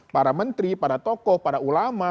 para menteri para tokoh para ulama